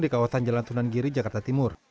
di kawasan jalan sunan giri jakarta timur